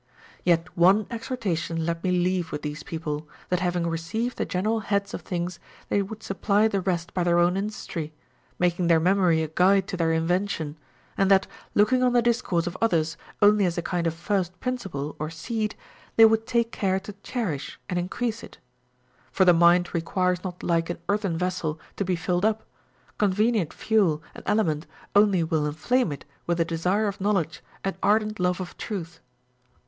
# Yet one exhortation let me leave with these people, that having received the general heads of things they would supply the rest by their own industry, making their memory a guide to their invention ; and that, looking on the discourse of others only as a kind of first principle or * Antigone, 232. OF HEARING. 463 seed, they Avould take care to cherish and mcrease it. For the mind requires not like an earthen vessel to be filled up ; convenient fuel and aliment only will inflame it with a desire of knowledge and ardent love of truth.